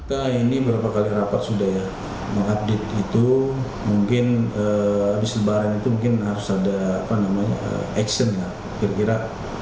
menurut manajemen kemungkinan untuk melatih squad laskar wongkito di musim baru ini akan memiliki kemungkinan untuk melatih squad laskar wongkito di musim baru ini